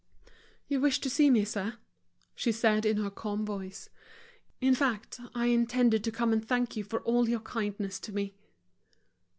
"You wished to see me, sir," she said in her calm voice. "In fact, I intended to come and thank you for all your kindness to me."